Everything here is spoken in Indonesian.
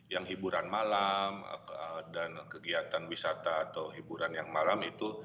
yang hiburan malam dan kegiatan wisata atau hiburan yang malam itu